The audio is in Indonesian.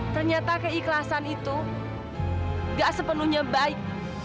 ternyata keikhlasan itu gak sepenuhnya baik